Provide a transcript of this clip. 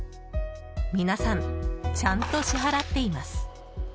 皆さん、ちゃんと支払っています。